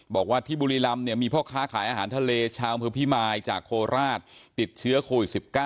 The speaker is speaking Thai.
บอกว่าที่บุรีรำเนี่ยมีพ่อค้าขายอาหารทะเลชาวอำเภอพิมายจากโคราชติดเชื้อโควิด๑๙